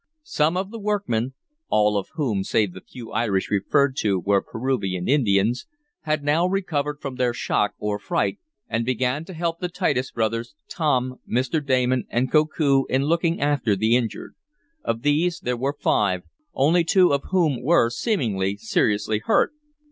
Some of the workmen (all of whom save the few Irish referred to were Peruvian Indians) had now recovered from their shock, or fright, and began to help the Titus brothers, Tom, Mr. Damon and Koku in looking after the injured. Of these there were five, only two of whom were, seemingly, seriously hurt.